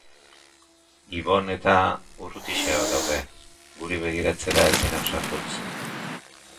Ibon-eta urrutixeago daude, guri begiratzera ezin ausartuz.